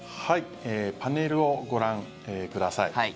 パネルをご覧ください。